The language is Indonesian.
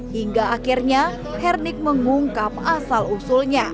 hingga akhirnya hernik mengungkap asal usulnya